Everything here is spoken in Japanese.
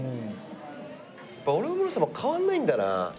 俺もムロさんも変わんないんだな。